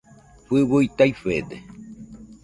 Fɨui taifede